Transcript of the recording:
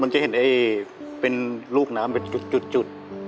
จะเห็นเป็นลูกน้ำเป็นจุด